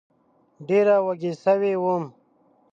ډېره وږې سوې وم